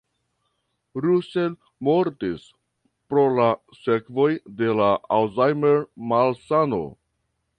Russell mortis pro la sekvoj de la Alzheimer-malsano.